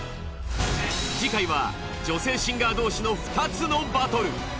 次回は女性シンガー同士の２つのバトル。